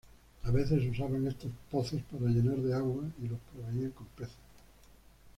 A veces usaban estos pozos para llenar de agua y los proveían con peces.